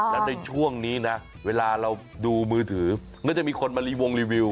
แล้วในช่วงนี้นะเวลาเราดูมือถือก็จะมีคนมารีวงรีวิว